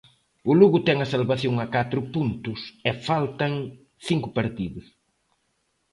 O Lugo ten a salvación a catro puntos e faltan cinco partidos.